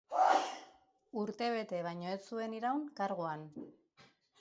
Urtebete baino ez zuen iraun karguan.